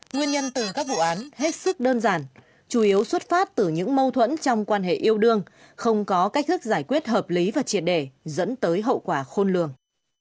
nguyên nhân từ các vụ án hết sức đơn giản chủ yếu xuất phát từ những mâu thuẫn trong quan hệ yêu đương không có cách thức giải quyết hợp lý và triệt để dẫn tới hậu quả khôn lường